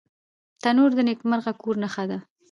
تنور د نیکمرغه کور نښه ده